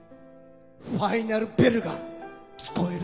ファイナル・ベルが聞こえる